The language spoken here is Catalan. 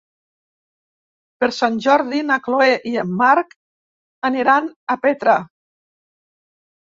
Per Sant Jordi na Chloé i en Marc aniran a Petra.